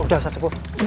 udah ustadz sepuh